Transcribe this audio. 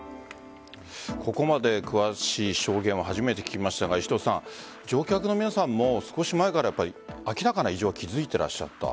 ここまで詳しい証言は初めて聞きましたが乗客の皆さんも少し前から明らかな異常は気づいてらっしゃった。